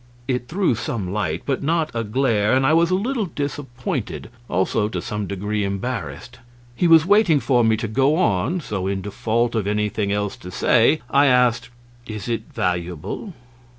It threw some light, but not a glare, and I was a little disappointed, also to some degree embarrassed. He was waiting for me to go on, so, in default of anything else to say, I asked, "Is it valuable?"